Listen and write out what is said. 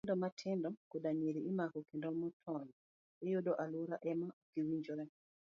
Nyithindo matindo koda nyiri imako kendo motony, iyudo e aluora ma okowinjore.